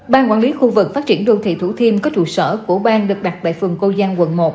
ban quản lý khu vực phát triển đô thị thủ thiêm có trụ sở của bang được đặt tại phường cô giang quận một